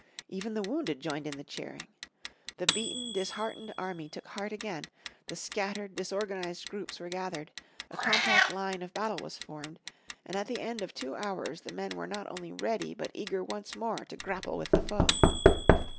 Even the wounded joined in the cheering. The beaten, disheartened army took heart again, the scattered, disorganized groups were gathered, a compact line of battle was formed, and at the end of two hours the men were not only ready but eager once more to grapple with the foe.